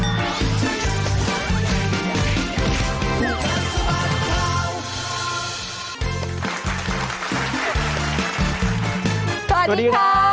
มีความผ่านมากทางด้านหลัง